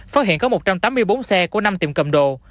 phát hiện có một trăm tám mươi bốn xe của năm tiệm cầm đồ